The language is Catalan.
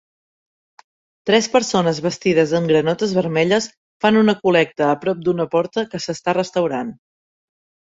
Tres persones vestides amb granotes vermelles fan una col·lecta a prop d'una porta que s'està restaurant